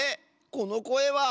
このこえは。